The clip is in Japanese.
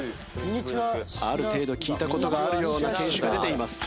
ある程度聞いた事があるような犬種が出ています。